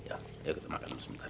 ayo kita makan sebentar